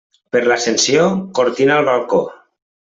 Per l'Ascensió, cortina al balcó.